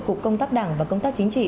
cục công tác đảng và công tác chính trị